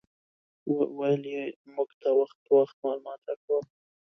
ویل یې موږ ته وخت په وخت معلومات راکاوه.